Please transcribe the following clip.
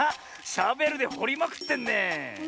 シャベルでほりまくってんねえ。